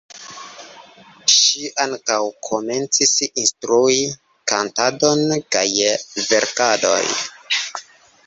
Ŝi ankaŭ komencis instrui kantadon kaj verkadon.